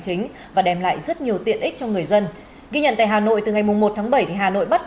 chính và đem lại rất nhiều tiện ích cho người dân ghi nhận tại hà nội từ ngày một tháng bảy thì hà nội bắt